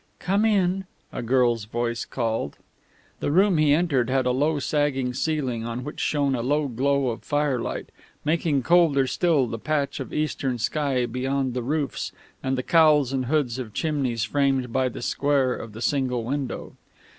"Come in," a girl's voice called. The room he entered had a low sagging ceiling on which shone a low glow of firelight, making colder still the patch of eastern sky beyond the roofs and the cowls and hoods of chimneys framed by the square of the single window.